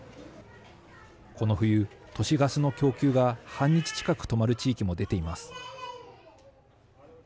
この冬、都市ガスの供給が半日近く止まる地域も出ています。